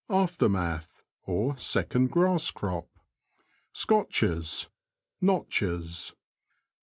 — Aftermath; second grass crop. Scotches. — Notches.